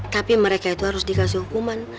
tapi mereka itu harus dikasih hukuman